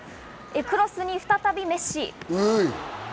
クロスに再びメッシ！